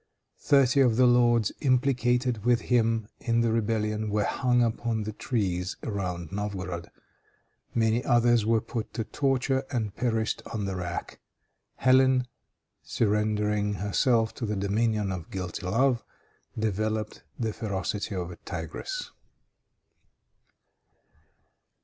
Thirty of the lords, implicated with him in the rebellion, were hung upon the trees around Novgorod. Many others were put to torture and perished on the rack. Hélène, surrendering herself to the dominion of guilty love, developed the ferocity of a tigress.